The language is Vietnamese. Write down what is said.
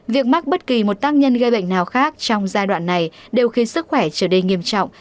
việc mắc bất kỳ một tác nhân gây bệnh nào khác trong giai đoạn này đều khiến sức khỏe trở đầy nghiêm trọng